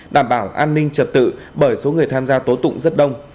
đảm bảo an ninh trật tự bởi số người tham gia tố tụng rất đông